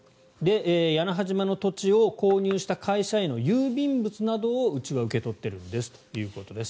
屋那覇島の土地を購入した会社への郵便物などをうちは受け取っているんですということです。